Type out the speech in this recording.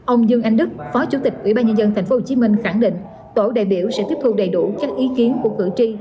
ông dương anh đức phó chủ tịch ubnd tp hcm khẳng định tổ đại biểu sẽ tiếp thu đầy đủ các ý kiến của cử tri